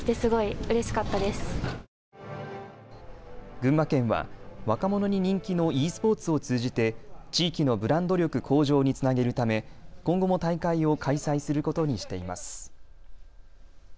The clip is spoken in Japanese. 群馬県は若者に人気のｅスポーツを通じて地域のブランド力向上につなげるため今後も大会を開催することにしています。